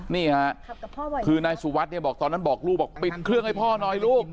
นี่ค่ะคือนายสุวัสดิ์เนี่ยบอกตอนนั้นบอกลูกบอกปิดเครื่องให้พ่อหน่อยลูก